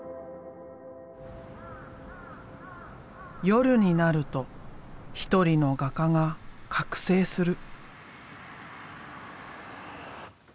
夜になると一人の画家が覚醒する。